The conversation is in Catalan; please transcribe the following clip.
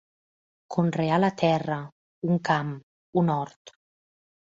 Conrear la terra, un camp, un hort.